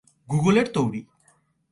গুগলের তৈরী।